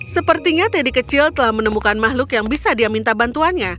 sepertinya teddy kecil telah menemukan makhluk yang bisa dia minta bantuannya